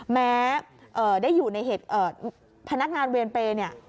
แม้ได้อยู่ในเหตุพนักงานเวรเปย์เนี่ย